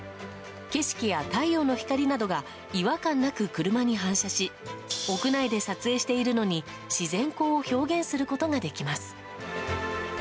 景色や太陽の光などが違和感なく車に反射し屋内で撮影しているのに自然光を表現することができます。